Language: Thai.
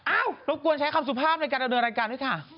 รบกวนใช้คำสุภาพในการดำเนินรายการด้วยค่ะ